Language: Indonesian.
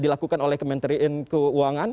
dilakukan oleh kementerian keuangan